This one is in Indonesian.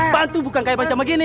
batu bukan kayak macam begini